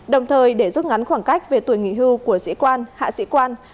đồng thời để rút ngắn khoảng cách về tuổi nghỉ hưu của sĩ quan hạ sĩ quan